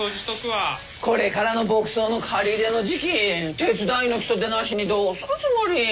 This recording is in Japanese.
これからの牧草の刈り入れの時期手伝いの人手なしにどうするつもり？